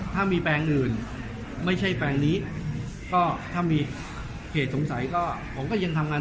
ถ้ามีแปลงอื่นไม่ใช่แปลงนี้ก็ถ้ามีเหตุสงสัยก็ผมก็ยังทำงาน